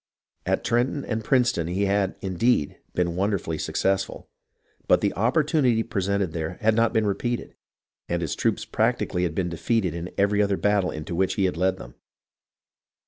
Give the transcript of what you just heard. At Trenton and Princeton he had, indeed, been wonderfully successful ; but the opportunity presented there had not been repeated, and his troops practically had been defeated in every other battle into which he had led them.